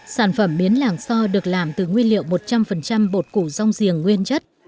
sản phẩm miến làng so được làm từ nguyên liệu một trăm linh bột củ rong giềng nguyên chất